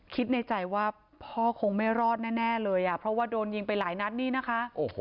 คิดในใจว่าพ่อคงไม่รอดแน่เลยอ่ะเพราะว่าโดนยิงไปหลายนัดนี่นะคะ